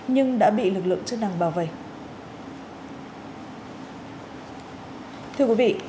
nhưng đã bị lực lượng chức năng bảo vệ